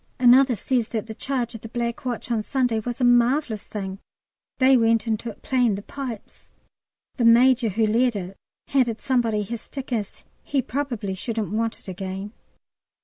Another says that the charge of the Black Watch on Sunday was a marvellous thing. They went into it playing the pipes! The Major who led it handed somebody his stick, as he "probably shouldn't want it again."